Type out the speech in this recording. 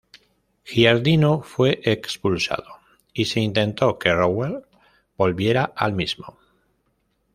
Giardino fue expulsado, y se intentó que Rowek volviera al mismo.